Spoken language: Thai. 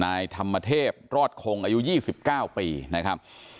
นายธรรมเทพรอดโครงอายุยี่สิบเก้าปีนะครับ